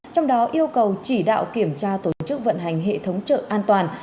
trong đó yêu cầu chỉ đạo kiểm tra tổ chức vận hành hệ thống chợ an toàn